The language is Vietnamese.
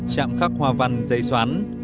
chạm khắc hoa văn dây xoắn